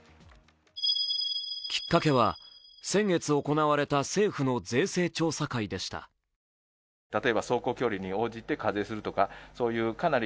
きっかけは、先月行われた政府の税制調査会でした。